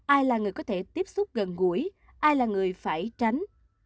ai là người có thể tiếp xúc gần gũi ai là người phải tránh